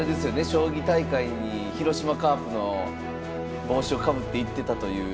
将棋大会に広島カープの帽子をかぶって行ってたという。